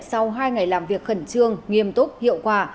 sau hai ngày làm việc khẩn trương nghiêm túc hiệu quả